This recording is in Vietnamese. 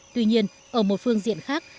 tuy nhiên ở một phương diện khác